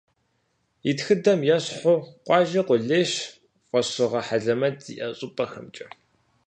И тхыдэм ещхьу, къуажэр къулейщ фӏэщыгъэ хьэлэмэт зиӏэ щӏыпӏэхэмкӏэ.